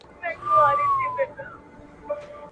قصاص د قتل مخه نيسي.